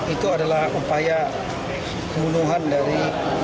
itu adalah upaya pembunuhan dari